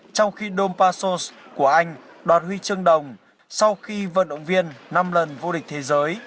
trong khi dompashos của anh đoạt huy chương đồng sau khi vận động viên năm lần vô địch thế giới